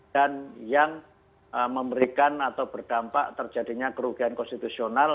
dan yang memberikan atau berdampak terjadinya kerugian konstitusional